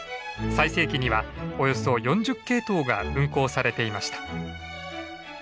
最盛期にはおよそ４０系統が運行されていました。